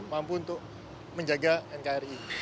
mampu untuk menjaga nkri